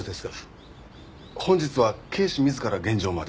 本日は警視自ら現場まで？